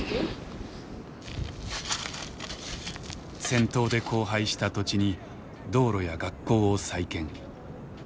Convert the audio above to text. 戦闘で荒廃した土地に道路や学校を再建。